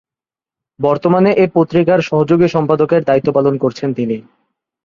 বর্তমানে এ পত্রিকার সহযোগী সম্পাদকের দায়িত্ব পালন করছেন তিনি।